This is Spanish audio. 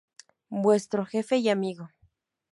Vuestro Jefe y amigo.